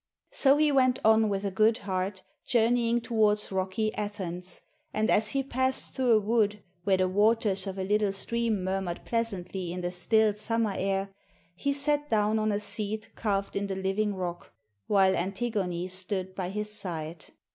"' So he went on with a good heart, journeying towards rocky Athens, and as he passed through a wood where the waters of a little stream murmured pleasantly in the still summer air, he sat down on a seat carved in the living rock, while An 12 THE STORY OF (EDIPUS tigone stood by his side.